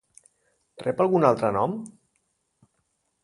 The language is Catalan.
Rep algun altre nom?